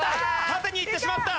縦にいってしまった。